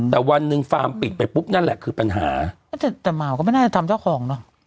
แต่วันหนึ่งฟาร์มปิดไปปุ๊บนั่นแหละคือปัญหาแต่เหมาก็ไม่น่าจะทำเจ้าของเนอะ